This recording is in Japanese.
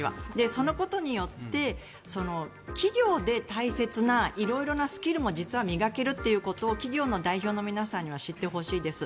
そのことによって企業で大切な色々なスキルも実は磨けるということを企業の代表の皆さんには知ってほしいです。